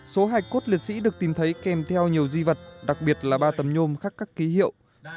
số hài cốt liệt sĩ được tìm thấy kèm theo nhiều di vật đặc biệt là ba tầm nhôm khắc các ký hiệu